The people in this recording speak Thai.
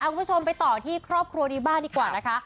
คุณผู้ชมไปต่อที่ครอบครัวนี้บ้างดีกว่านะคะ